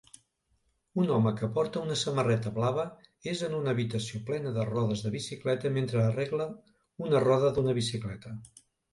Un home que porta una samarreta blava és en una habitació plena de rodes de bicicleta mentre arregla una roda d'una bicicleta